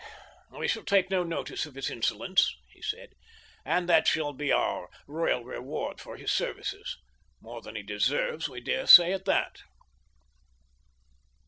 "We shall take no notice of his insolence," he said, "and that shall be our royal reward for his services. More than he deserves, we dare say, at that."